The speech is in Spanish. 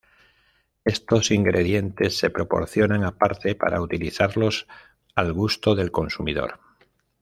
Estos ingredientes se proporcionan aparte para utilizarlos al gusto del consumidor.